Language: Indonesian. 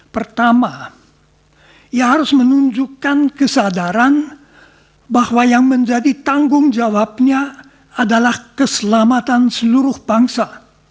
pertama ia harus menunjukkan kesadaran bahwa yang menjadi tanggung jawabnya adalah keselamatan seluruh bangsa